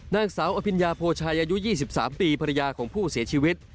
นางสาวอภิญญาโพชัยอายุ๒๓ปีภรรยาของผู้เสียชีวิต